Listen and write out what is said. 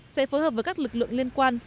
sẽ phối hợp với các lực lượng liên quan